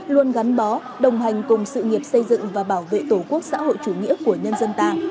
luôn gắn bó đồng hành cùng sự nghiệp xây dựng và bảo vệ tổ quốc xã hội chủ nghĩa của nhân dân ta